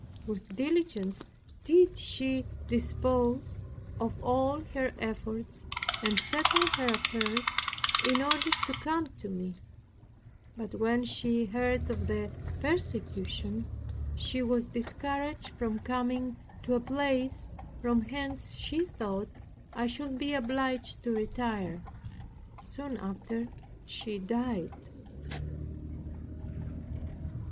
With diligence did she dispose of all her effects and settle her affairs in order to come to me; but when she heard of the persecution, she was discouraged from coming to a place, from whence she thought I should be obliged to retire. Soon after she died.